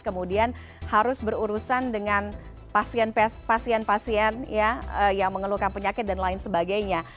kemudian harus berurusan dengan pasien pasien yang mengeluhkan penyakit dan lain sebagainya